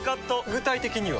具体的には？